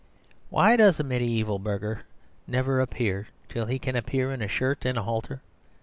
Why does a mediæval burgher never appear till he can appear in a shirt and a halter?